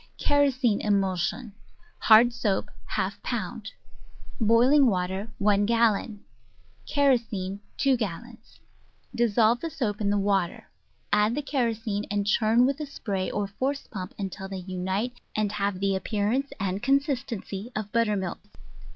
Kerosene Emulsion Hard Soap 1 pound Boiling Water i gallon Kerosene 2 gallons Dissolve the soap in the water; add the kerosene, and churn with a spray or force pump until they unite and have the appearance and consistency of butter milk.